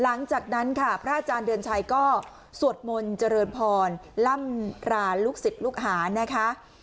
หลังจากนั้นค่ะพระอาจารย์เดือนชัยก็สวดมนต์เจริญพรล่ำราลูกศิษย์ลูกหานะคะ